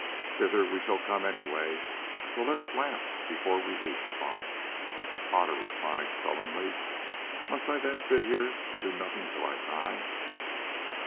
"Thither we shall come any way, so let us laugh before we weep, Baas," Otter replied sullenly. "Must I then sit here and do nothing till I die?"